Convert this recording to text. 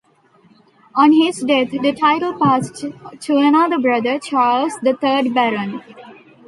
On his death the title passed to another brother, Charles, the third Baron.